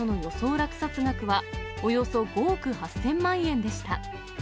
落札額はおよそ５億８０００万円でした。